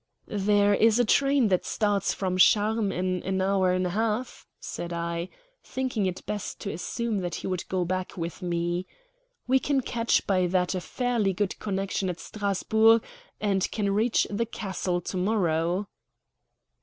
"There is a train that starts from Charmes in an hour and a half," said I, thinking it best to assume that he would go back with me. "We can catch by that a fairly good connection at Strasburg, and can reach the castle to morrow."